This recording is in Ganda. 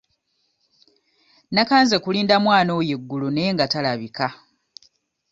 Nakanze kulinda mwana oyo eggulo naye nga talabika.